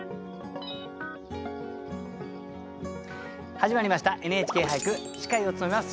始まりました「ＮＨＫ俳句」司会を務めます